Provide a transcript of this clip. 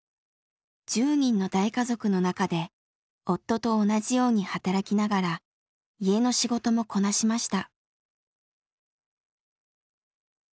１０人の大家族の中で夫と同じように働きながら家の仕事もこなしました。